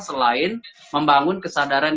selain membangun kesadaran